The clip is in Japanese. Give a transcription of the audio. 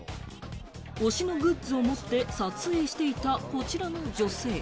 推しのグッズを持って撮影していた、こちらの女性。